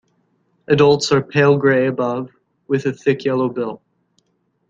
Adults are pale grey above, with a thick yellow bill.